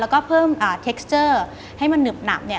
แล้วก็เพิ่มเทคสเจอร์ให้มันหนึบหนับเนี่ย